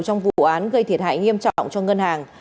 trong vụ án gây thiệt hại nghiêm trọng cho ngân hàng